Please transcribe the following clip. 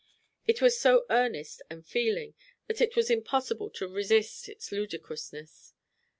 It was so earnest and feeling, that it was impossible to resist its ludicrousness.